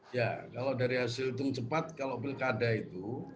ya kalau dari hasil hitung cepat kalau pilkada itu